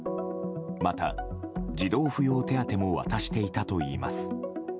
また児童扶養手当も渡していたといいます。